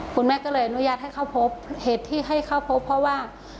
คุณแม่ก็เลยอนุญาตให้เข้าพบเหตุที่ให้เข้าพบเพราะว่า